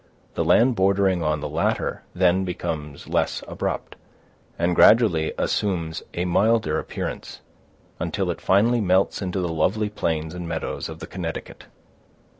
The land bordering on the latter then becomes less abrupt, and gradually assumes a milder appearance, until it finally melts into the lovely plains and meadows of the Connecticut.